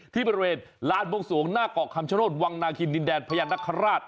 ที่บริเวณลานบวงสวงหน้าเกาะคำชโนธวังนาคินดินแดนพญานคราช